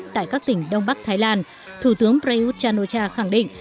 tại các tỉnh đông bắc thái lan thủ tướng prayuth chan o cha khẳng định